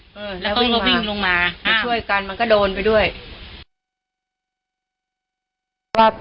ให้ช่วยกันมันก็โดนไปด้วย